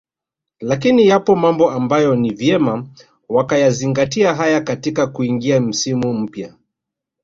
lakini yapo mambo ambayo ni vyema wakayazingatia haya katika kuingia msimu mpya